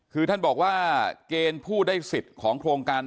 คือท่านบอกว่าเกณฑ์ผู้ได้สิทธิ์ของโครงการ